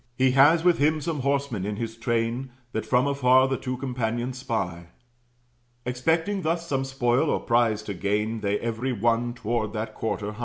He has with him some horsemen in his train, That from afar the two companions spy. Expecting thus some spoil or prize to gain, They, every one, toward that quarter hie.